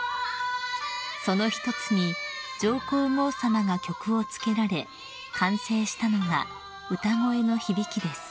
［その一つに上皇后さまが曲をつけられ完成したのが『歌声の響』です］